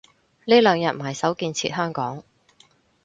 呢兩日埋首建設香港